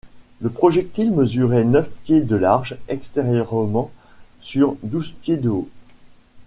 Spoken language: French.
Le projectile mesurait neuf pieds de large extérieurement sur douze pieds de haut.